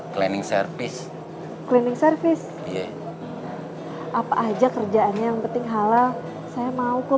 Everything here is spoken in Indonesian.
cleaning service cleaning service apa aja kerjaannya yang penting halal saya mau ke